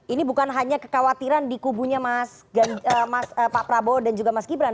ini bukan hanya kekhawatiran di kubunya pak prabowo dan juga mas gibran